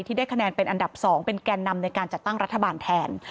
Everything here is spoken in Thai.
ได้คะแนนเป็นอันดับ๒เป็นแก่นำในการจัดตั้งรัฐบาลแทน